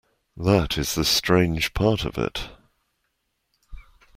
That is the strange part of it.